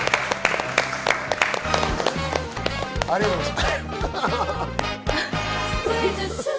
ありがとうございます。